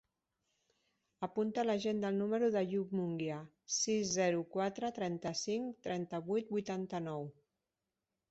Apunta a l'agenda el número de l'Àyoub Munguia: sis, zero, quatre, trenta-cinc, trenta-vuit, vuitanta-nou.